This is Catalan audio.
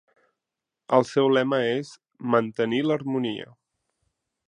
El seu lema és "Mantenir l'harmonia".